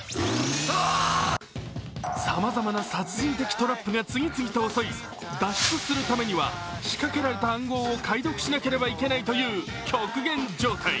さまざま殺人的トラップが次々と襲い脱出するためには仕掛けられた暗号を解読しなければいけないという極限状態。